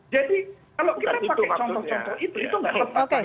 jadi kalau kita pakai contoh contoh itu itu nggak lepas